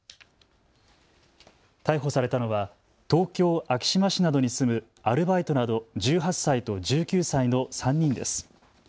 逮捕されたのは東京昭島市などに住むアルバイトなど１８歳と１９歳の３人です。